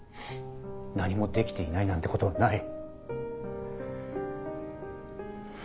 何もできていないなんてことはない。